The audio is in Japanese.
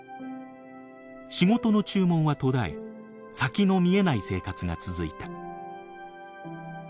仕事の注文は途絶え先の見えない生活が続いた。